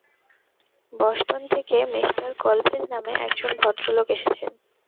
Boston থেকে মি Colville নামে একজন ভদ্রলোক এসেছেন।